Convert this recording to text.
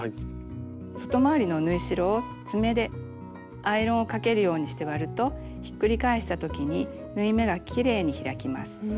外回りの縫い代を爪でアイロンをかけるようにして割るとひっくり返したときに縫い目がきれいに開きます。